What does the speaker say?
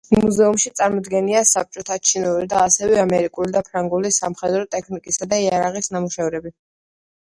მუზეუმში წარმოდგენილია საბჭოთა, ჩინური და ასევე ამერიკული და ფრანგული სამხედრო ტექნიკისა და იარაღის ნიმუშები.